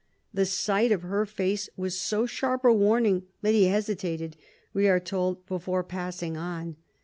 The sight of her face was so sharp a warning that he hesitated, we are told, before passing on.